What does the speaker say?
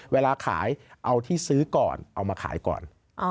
เวลาขายเอาที่ซื้อก่อนเอามาขายก่อน